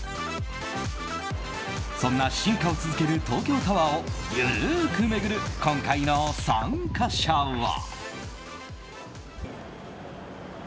そんな進化を続ける東京タワーを緩く巡る、今回の参加者は。